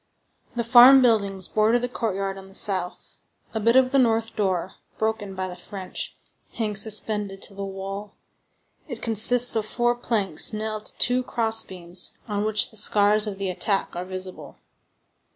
The farm buildings border the courtyard on the south. A bit of the north door, broken by the French, hangs suspended to the wall. It consists of four planks nailed to two cross beams, on which the scars of the attack are visible.